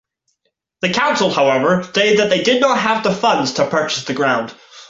The Council, however, stated they did not have the funds to purchase the ground.